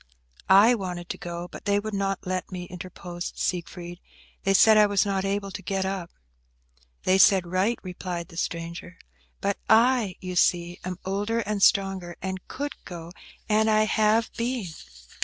"I wanted to go, but they would not let me," interposed Siegfried. "They said I was not able to get up." "They said right," replied the stranger. "But I, you see, am older and stronger, and could go; and I have been."